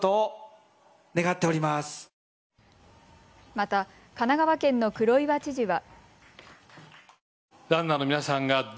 また神奈川県の黒岩知事は。